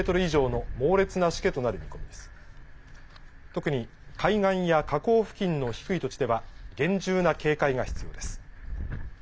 特に海岸や河口付近の低い土地では厳重な警戒が必要です。